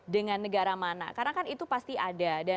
dengan negara mana karena kan itu pasti ada